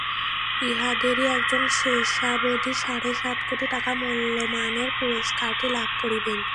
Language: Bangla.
ইহাদেরই একজন শেষাবধি সাড়ে সাত কোটি টাকা মূল্যমানের পুরস্কারটি লাভ করিবেন।